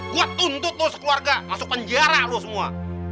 gue tuntut lo sekeluarga masuk penjara lo semua